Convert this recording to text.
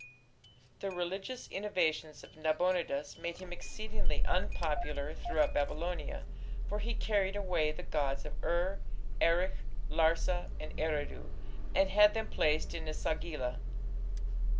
The religious innovations of Nabonidus made him exceedingly unpopular throughout Babylonia, for he carried away the gods of Ur, Erech, Larsa, and Eridu, and had them placed in E sagila.